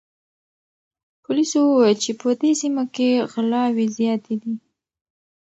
پولیسو وویل چې په دې سیمه کې غلاوې زیاتې دي.